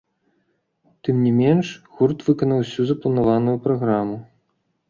Тым не менш гурт выканаў усю запланаваную праграму.